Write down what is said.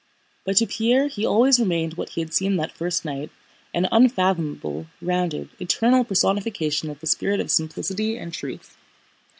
But to Pierre he always remained what he had seemed that first night: an unfathomable, rounded, eternal personification of the spirit of simplicity and truth.